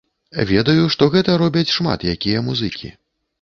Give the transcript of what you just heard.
Ведаю, што гэта робяць шмат якія музыкі.